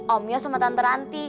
om yo sama tante ranti